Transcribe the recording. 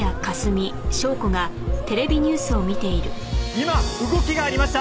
「今動きがありました。